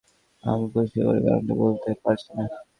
আমিও পরিষ্কার করে কারণটা বলতে পারছি না!